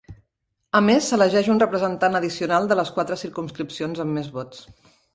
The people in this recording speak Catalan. A més s'elegeix un representant addicional de les quatre circumscripcions amb més vots.